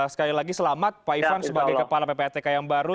sekali lagi selamat pak ivan sebagai kepala ppatk yang baru